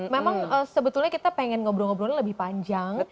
memang sebetulnya kita pengen ngobrol ngobrolnya lebih panjang